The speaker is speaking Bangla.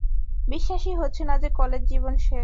বিশ্বাসই হচ্ছে না যে, কলেজ জীবন শেষ।